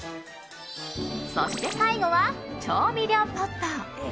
そして、最後は調味料ポット。